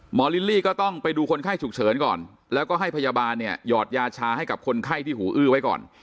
ลิลลี่ก็ต้องไปดูคนไข้ฉุกเฉินก่อนแล้วก็ให้พยาบาลเนี่ยหยอดยาชาให้กับคนไข้ที่หูอื้อไว้ก่อน